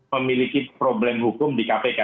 memiliki problem hukum di kpk